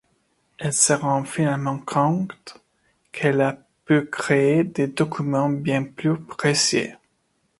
Elle se rend finalement compte qu'elle peut créer des documents bien plus précieux.